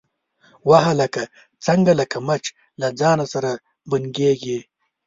_وه هلکه، څنګه لکه مچ له ځان سره بنګېږې؟